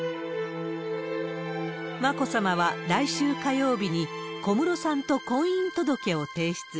眞子さまは来週火曜日に小室さんと婚姻届を提出。